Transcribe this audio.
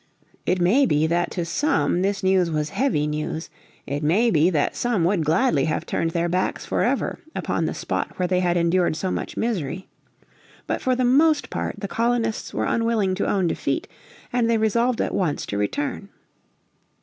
It may be that to some this news was heavy news. It may be that some would gladly have turned their backs forever upon the spot where they had endured so much misery. But for the most part the colonists were unwilling to own defeat, and they resolved at once to return.